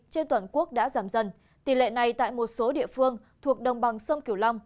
trên toàn quốc đã giảm dần tỷ lệ này tại một số địa phương thuộc đồng bằng sông kiều long